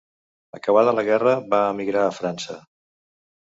Acabada la guerra va emigrar a França.